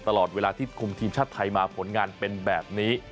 ตลอดเวลาที่คุมทีมชาติไทยมาผลงานเป็นแบบนี้